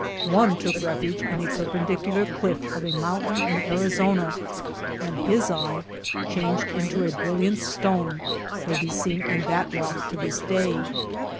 One took refuge in a perpendicular cliff of a mountain in Ari zona, and his eye (changed into a brilliant stone) may be seen in that rock to this day.